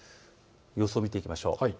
様子を見ていきましょう。